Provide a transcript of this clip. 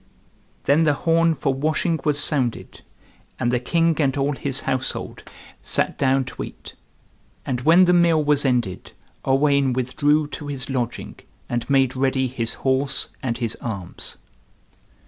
Then the horn for washing was sounded, and the king and all his household sat down to eat. And when the meal was ended Owain withdrew to his lodging, and made ready his horse and his arms.